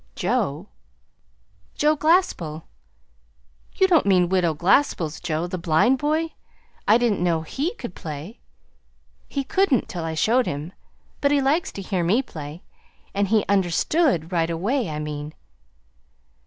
"Joe?" "Joe Glaspell." "You don't mean Widow Glaspell's Joe, the blind boy? I didn't know he could play." "He couldn't till I showed him. But he likes to hear me play. And he understood right away, I mean."